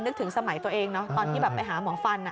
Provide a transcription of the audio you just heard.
นึกถึงสมัยตัวเองเนอะตอนที่แบบไปหาหมอฟัน